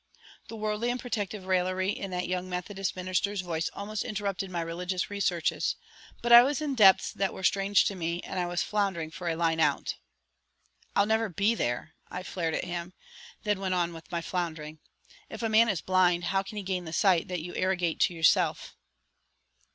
The worldly and protective raillery in that young Methodist minister's voice almost interrupted my religious researches, but I was in depths that were strange to me, and I was floundering for a line out. "I'll never be there," I flared at him, then went on with my floundering. "If a man is blind, how can he gain the sight that you arrogate to yourself?"